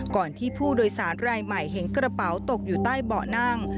ก่อนที่ผู้โดยสารรายใหม่เห็นกระเป๋าตกอยู่ใต้เบาะนั่ง